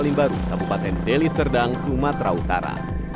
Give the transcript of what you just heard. kampungan yang paling baru kabupaten deliserdang sumatra utara